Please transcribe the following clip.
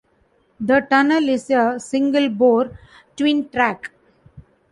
The tunnel is a single bore twin track.